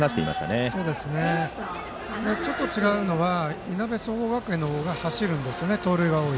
けどちょっと違うのはいなべ総合学園の方が走るんですよね、盗塁が多い。